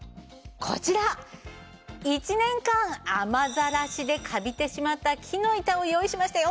こちら１年間雨ざらしでカビてしまった木の板を用意しましたよ。